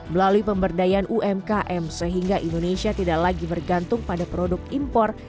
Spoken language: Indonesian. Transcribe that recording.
melalui pemberdayaan umkm sehingga indonesia tidak lagi bergantung pada produk impor